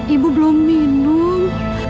ibu belum minum